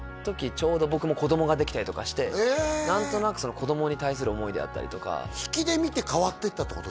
ちょうど僕も子供ができたりとかして何となく子供に対する思いであったりとか引きで見て変わっていったってこと？